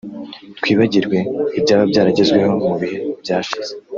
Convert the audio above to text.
twibagirwe ibyaba byaragezweho mu bihe byashize